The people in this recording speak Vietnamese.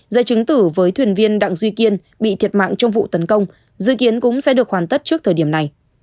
dây chứng tử với thuyền viên đặng duy kiên bị thiệt mạng trong vụ tấn công dự kiến cũng sẽ được hoàn tất trước thời điểm này